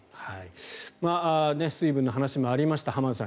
水分の話もありました浜田さん